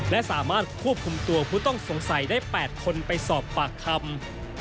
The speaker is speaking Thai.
และสามารถควบคุมตัวผู้ต้องสงสัยได้๘คนไปสอบปากคำ